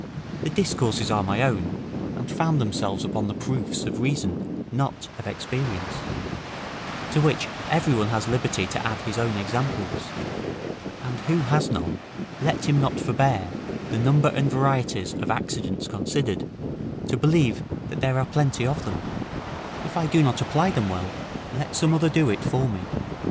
The discourses are my own, and found themselves upon the proofs of reason, not of experience; to which every one has liberty to add his own examples; and who has none, let him not forbear, the number and varieties of accidents considered, to believe that there are plenty of them; if I do not apply them well, let some other do it for me.